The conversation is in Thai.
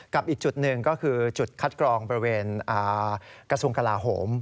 อีกจุดหนึ่งก็คือจุดคัดกรองบริเวณกระทรวงกลาโหม